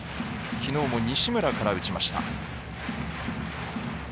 きのうも西村から打ちました。